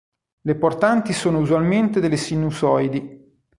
Le portanti sono usualmente delle sinusoidi.